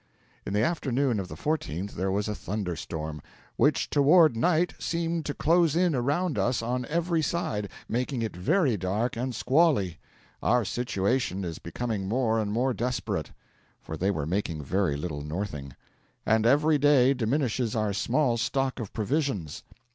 In the afternoon of the 14th there was a thunderstorm, 'which toward night seemed to close in around us on every side, making it very dark and squally.' 'Our situation is becoming more and more desperate,' for they were making very little northing 'and every day diminishes our small stock of provisions.'